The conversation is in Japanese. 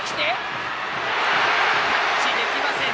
タッチできません。